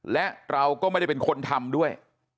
และเราก็ไม่ได้เป็นคนทำด้วย